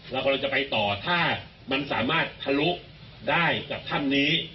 แล้วก็เราจะไปต่อถ้ามันสามารถทะลุได้กับถ้ำนี้